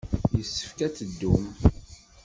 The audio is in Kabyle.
Yessefk ad teddum.